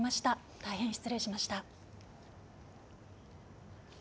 大変失礼いたしました。